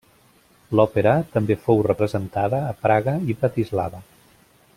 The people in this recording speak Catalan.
L'òpera també fou representada a Praga i Bratislava.